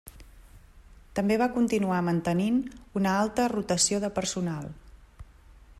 També va continuar mantenint una alta rotació de personal.